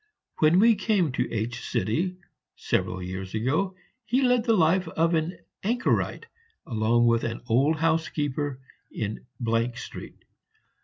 When we came to H , several years ago, he led the life of an anchorite, along with an old housekeeper, in Street.